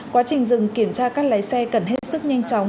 quá trình dừng kiểm tra các lái xe cần hết sức nhanh chóng